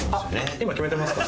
今決めてますか？